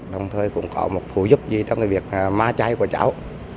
đồng thời cũng có một phụ giúp gì trong việc ma chai của cháu